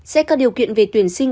xét các điều kiện về tuyển sinh